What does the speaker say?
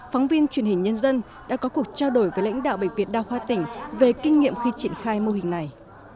phóng viên truyền hình nhân dân đã có cuộc trao đổi với lãnh đạo bệnh viện đa khoa tỉnh về kinh nghiệm khi triển khai mô hình này